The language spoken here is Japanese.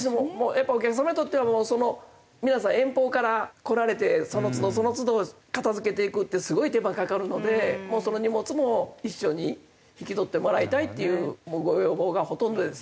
やっぱお客様にとっては皆さん遠方から来られてその都度その都度片付けていくってすごい手間かかるのでその荷物も一緒に引き取ってもらいたいっていうご要望がほとんどです。